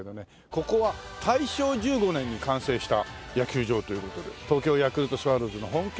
ここは大正１５年に完成した野球場という事で東京ヤクルトスワローズの本拠地にもなってますけど。